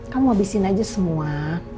kamu habisin aja semua